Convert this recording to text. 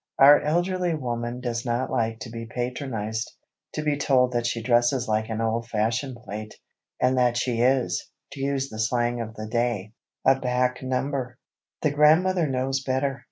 Our elderly woman does not like to be patronized, to be told that she dresses like an old fashion plate, and that she is, to use the slang of the day, a "back number." The grandmother knows better.